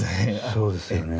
そうですよね。